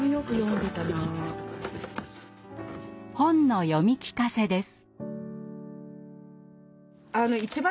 本の読み聞かせです。